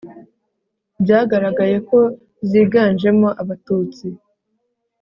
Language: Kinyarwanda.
byagaragaye ko ziganjemo abatutsi